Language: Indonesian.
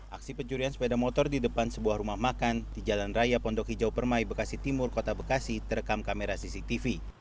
aksi pencurian sepeda motor di depan sebuah rumah makan di jalan raya pondok hijau permai bekasi timur kota bekasi terekam kamera cctv